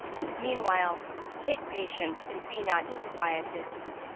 Meanwhile, take patience and be not disquieted."